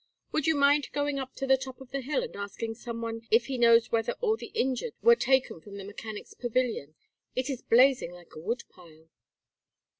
"Would you mind going up to the top of the hill and asking some one if he knows whether all the injured were taken from the Mechanics' Pavilion? It is blazing like a wood pile."